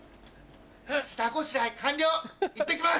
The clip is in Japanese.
下ごしらえ完了いってきます。